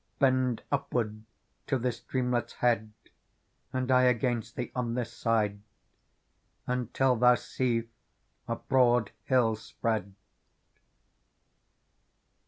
Bend upward to this streamlet's head^ And I against thee on this side. Until thou see a broad hill spread."